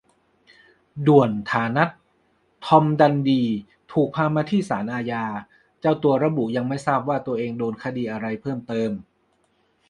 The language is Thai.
ด่วนธานัท "ทอมดันดี" ถูกพามาที่ศาลอาญา เจ้าตัวระบุยังไม่ทราบว่าตัวเองโดนคดีอะไรเพิ่มเติม